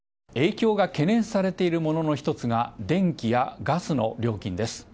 影響が懸念されているものの一つが、電気やガスの料金です。